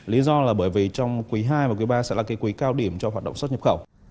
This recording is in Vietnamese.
lý do là bởi vì trong quý ii và quý ba sẽ là cái quý cao điểm cho hoạt động xuất nhập khẩu